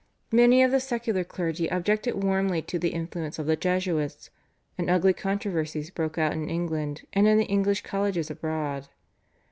Many of the secular clergy objected warmly to the influence of the Jesuits, and ugly controversies broke out in England and in the English colleges abroad.